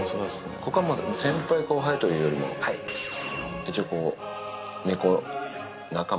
ここは先輩、後輩というよりも、一応こう、はい。